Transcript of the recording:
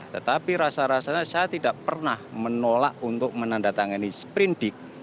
tetapi rasa rasanya saya tidak pernah menolak untuk menandatangani sprindik